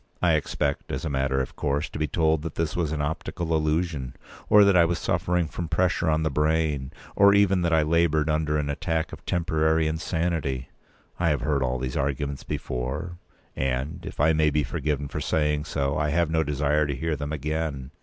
I expect, as a matter of course, to be told that this was an optical illusion, or that I was suffering from pressure on the brain, or even that I laboured under an attack of temporary insanity. I have heard all these arguments before, and, if I may be forgiven for saying so, I have no desire to hear them again.